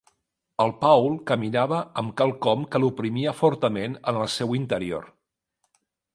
El Paul caminava amb quelcom que l'oprimia fortament en el seu interior.